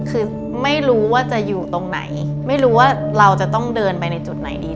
คือไม่รู้ว่าจะอยู่ตรงไหนไม่รู้ว่าเราจะต้องเดินไปในจุดไหนดี